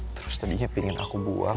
terus tadinya pingin aku buang